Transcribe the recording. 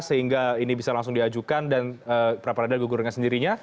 sehingga ini bisa langsung diajukan dan prapradara gugur dengan sendiri